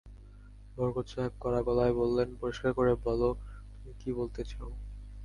বরকত সাহেব কড়া গলায় বললেন, পরিষ্কার করে বল, তুমি কী বলতে চাও।